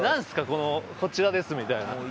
このこちらですみたいな。